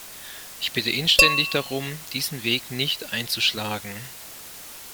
Ich bitte inständig darum, diesen Weg nicht einzuschlagen.